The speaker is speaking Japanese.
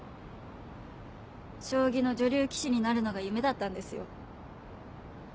将棋の女流棋士になるのが夢だったんですよ。